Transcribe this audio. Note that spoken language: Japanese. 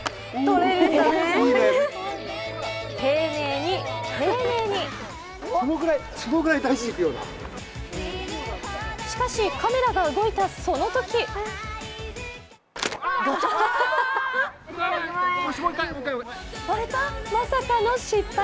丁寧に丁寧にしかし、カメラが動いたそのときまさかの失敗。